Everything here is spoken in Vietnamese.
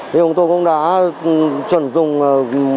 chúng tôi cũng đã chuẩn dùng các